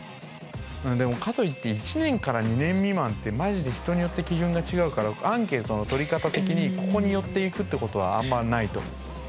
でもかといって１２年未満ってまじで人によって基準が違うからアンケートの取り方的にここに寄っていくってことはあんまないと思う。